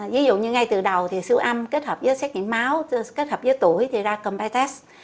ví dụ như ngay từ đầu thì siêu âm kết hợp với xét nghiệm máu kết hợp với tuổi thì ra cơm bài test